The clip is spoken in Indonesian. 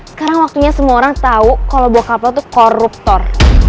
sekarang waktunya semua orang tau kalo bokap lo tuh koruptor